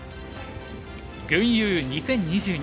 群遊２０２２